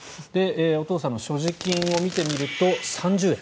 お父さんの所持金を見てみると３０円。